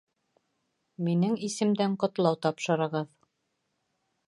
Минең исемдән ҡотлау тапшырығыҙ